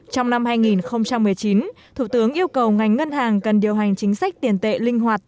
trong năm hai nghìn một mươi chín thủ tướng yêu cầu ngành ngân hàng cần điều hành chính sách tiền tệ linh hoạt